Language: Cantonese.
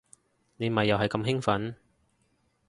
你咪又係咁興奮